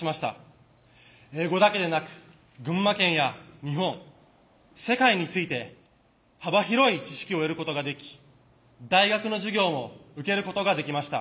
英語だけでなく群馬県や日本世界について幅広い知識を得ることができ大学の授業も受けることができました。